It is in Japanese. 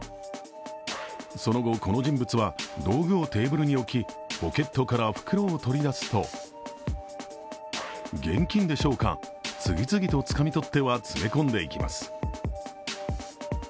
その後、この人物は道具をテーブルに置き、ポケットから袋を取り出すと現金でしょうか次々とつかみ取っては詰め込んでいきます。